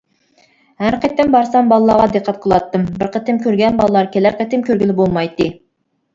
ھەر قېتىم بارسام بالىلارغا دىققەت قىلاتتىم، بىر قېتىم كۆرگەن بالىلار كېلەر قېتىم كۆرگىلى بولمايتتى.